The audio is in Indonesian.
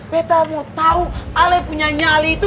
betamu tau ale punya nyali itu